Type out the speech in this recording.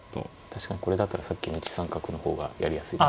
確かにこれだったらさっきの１三角の方がやりやすい。